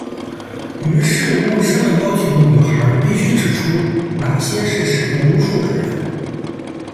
于是牧师们要求女孩必须指出哪些是使用巫术的人。